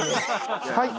はい。